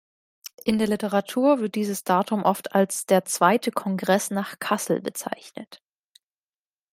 In der Literatur wird dieses Datum oft als der „zweite Kongress nach Kassel“ bezeichnet.